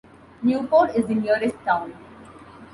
Newport is the nearest town.